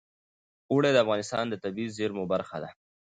اوړي د افغانستان د طبیعي زیرمو برخه ده.